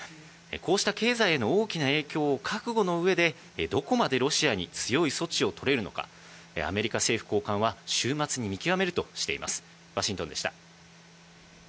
こうした経済への大きな影響を覚悟の上で、どこまでロシアに強い措置を取れるのか、アメリカ政府高官は週末に見極めるとしています。